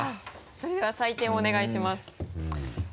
それでは採点をお願いします。